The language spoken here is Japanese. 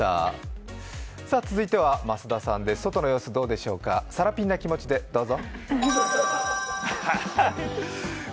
続いては増田さんです外の様子どうでしょうか、さらぴんな気持ちでどうぞ。